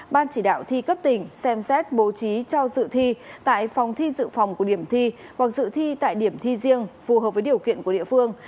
ban chỉ đạo thi cấp tỉnh xem xét bố trí cho dự thi tại phòng thi dự phòng của điểm thi hoặc dự thi tại điểm thi riêng phù hợp với điều kiện của địa phương